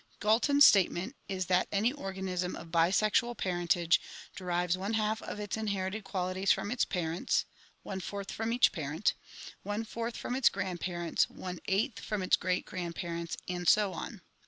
Galton's statement is that "any organism of bisexual parentage derives one half of its inherited qualities from its parents (one fourth from each parent), one fourth from its grandparents, one eighth from its great grandparents, and so on.